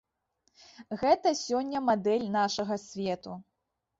Гэта сёння мадэль нашага свету.